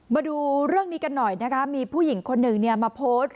มาดูเรื่องนี้กันหน่อยนะคะมีผู้หญิงคนหนึ่งมาโพสต์